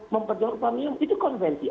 memperjuang upah minimum itu konvensi